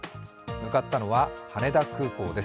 向かったのは、羽田空港です。